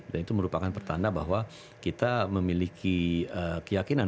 dan itu merupakan pertanda bahwa kita memiliki keyakinan